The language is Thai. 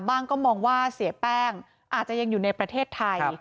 ก็มองว่าเสียแป้งอาจจะยังอยู่ในประเทศไทย